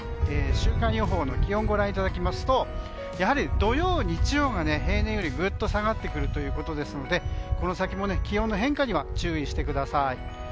週間予報の気温ご覧いただきますとやはり土曜、日曜が平年よりぐっと下がってくるのでこの先も気温の変化には注意してください。